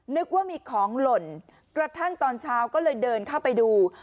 นึกว่ามีของหล่นกระทั่งตอนเช้าก็เลยเดินเข้าไปดู